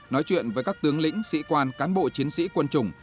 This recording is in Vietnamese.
nói chuyện với các tướng lĩnh sĩ quan cán bộ chiến sĩ quân chủng